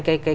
cái tờ báo